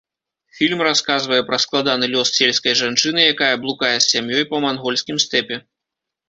Фільм расказвае пра складаны лёс сельскай жанчыны, якая блукае з сям'ёй па мангольскім стэпе.